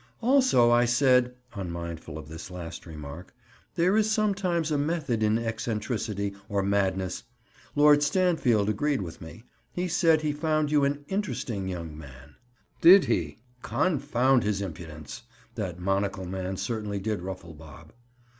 "Also I said," unmindful of this last remark, "there is sometimes a method in eccentricity, or madness. Lord Stanfield agreed with me. He said he found you an 'interesting young man.'" "Did he? Confound his impudence!" That monocle man certainly did ruffle Bob.